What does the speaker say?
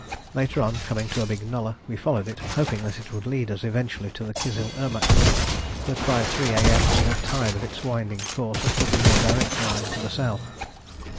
Later, on coming to a big nullah, we followed it, hoping that it would lead us eventually to the Kizil Irmak, but by 3 A.M. we had tired of its winding course and took a more direct line to the south.